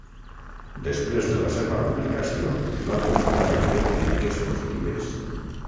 Després de la seva publicació, l'àlbum va rebre crítiques positives.